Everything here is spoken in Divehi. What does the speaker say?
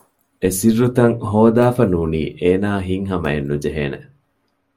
އެސިއްރުތައް ހޯދާފަ ނޫނީ އޭނާ ހިތް ހަމައެއް ނުޖެހޭނެ